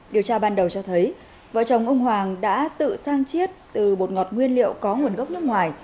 điều tra ban đầu cho thấy vợ chồng ông hoàng đã tự sang chiết từ bột ngọt nguyên liệu có nguồn gốc nước ngoài